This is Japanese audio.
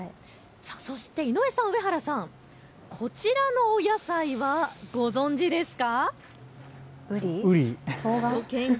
そして井上さん、上原さん、こちらのお野菜はご存じですか。